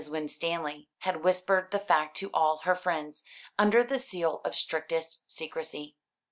Winstanley had whispered the fact to all her friends, under the seal of strictest secrecy.